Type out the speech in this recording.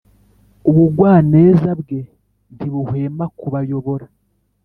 ubugwaneza bwe ntibuhwema kubayobora